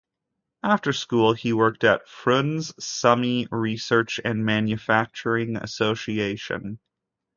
After school he worked at Frunze Sumy Research and Manufacturing Association.